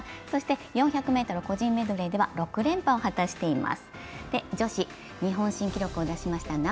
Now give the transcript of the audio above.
４００ｍ個人メドレーでは６連覇を果たしています。